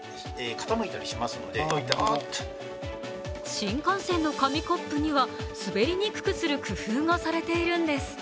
新幹線の紙コップには滑りにくくする工夫がされているんです。